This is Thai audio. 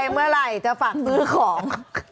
เมื่อไหร่จะฝากซื้อของ